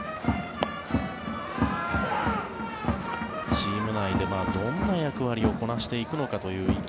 チーム内でどんな役割をこなしていくのかという伊藤。